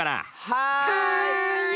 はい！